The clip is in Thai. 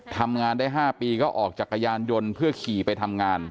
ทำงานได้๕ปีก็ออกจักรยานยนต์เพื่อขี่ไปทำงาน